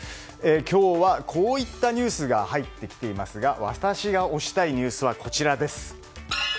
今日はこういったニュースが入ってきていますが私が推したいニュースはこちらです。